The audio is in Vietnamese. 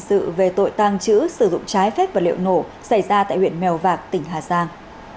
sự về tội tàng trữ sử dụng trái phép vật liệu nổ xảy ra tại huyện mèo vạc tỉnh hà giang